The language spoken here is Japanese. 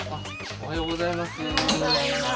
おはようございます。